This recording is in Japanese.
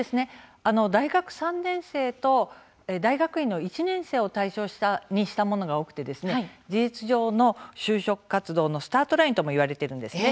大学３年生や大学院の１年生を対象にしたものが多くて事実上の就職活動のスタートラインともいわれているんです。